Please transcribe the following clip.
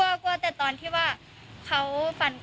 ก็กลัวแต่ตอนที่ว่าเขาฟัน